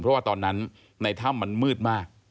เพราะว่าตอนนั้นในถ้ำมันมืดมาก